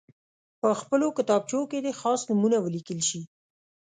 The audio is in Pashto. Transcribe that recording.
په خپلو کتابچو کې دې خاص نومونه ولیکل شي.